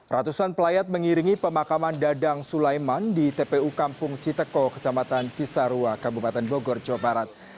ratusan pelayat mengiringi pemakaman dadang sulaiman di tpu kampung citeko kecamatan cisarua kabupaten bogor jawa barat